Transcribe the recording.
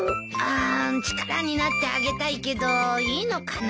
あ力になってあげたいけどいいのかな？